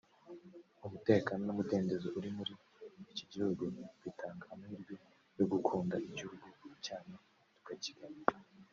umutekano n’umudendezo uri muri iki gihugu bitanga amahirwe yo gukunda igihugu cyanyu tukakigana